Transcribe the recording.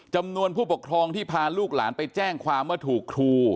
จำนวนผู้ปกครองที่พาลูกหลานไปแจ้งความว่าถูกครู